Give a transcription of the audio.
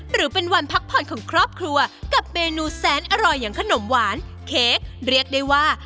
หรือเป็นวันพักผ่อนของครอบครัวกับเมนูแสนอร่อยอย่างขนมหวานเค้กเรียกได้ว่า